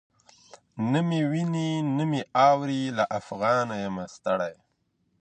نه مي ویني نه مي اوري له افغانه یمه ستړی..